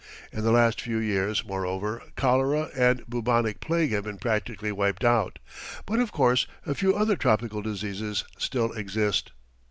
In the last few years, moreover, cholera and bubonic plague have been practically wiped out, but, of course, a few other tropical diseases still exist.